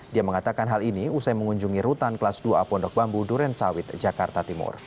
dia mengatakan hal ini usai mengunjungi rutan kelas dua a pondok bambu duren sawit jakarta timur